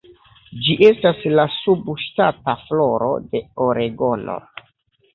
Ĝi estas la subŝtata floro de Oregono.